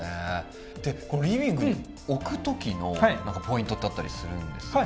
このリビングに置く時のポイントってあったりするんですか？